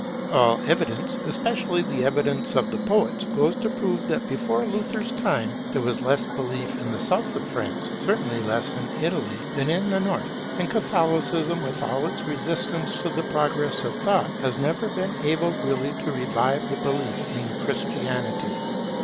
All evidence, especially the evidence of the poets, goes to prove that before Luther's time, there was less belief in the South of Europe, certainly less in Italy, than in the North. And Catholicism, with all its resistance to the progress of thought, has never been able really to revive the belief in Christianity.